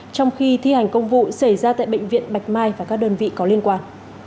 trong khi thi hành công vụ xảy ra tại bệnh viện bạch mai và các đơn vị có liên quan